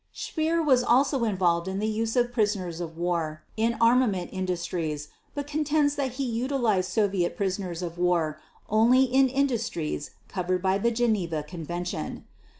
Speer was also involved in the use of prisoners of war in armament industries but contends that he utilized Soviet prisoners of war only in industries covered by the Geneva Convention.